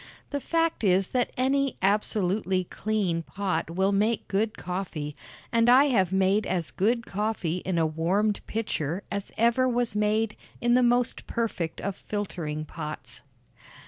The fact is that any absolutely clean pot will make good coffee, and I have made as good coffee in a warmed pitcher as ever was made in the most perfect of filtering pots.